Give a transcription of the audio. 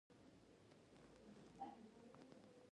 احمد پر سرو پرېوزي.